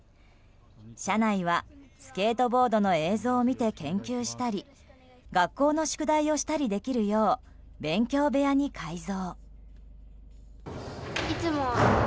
車内は、スケートボードの映像を見て研究したり学校の宿題をしたりできるよう勉強部屋に改造。